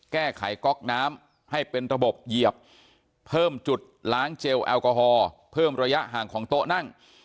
แก้ไขก๊อกน้ำให้เป็นระบบเหยียบเพิ่มจุดล้างเจลแอลกอฮอล์เพิ่มระยะห่างของโต๊ะนั่ง